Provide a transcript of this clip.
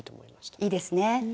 いいですね。